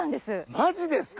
マジですか！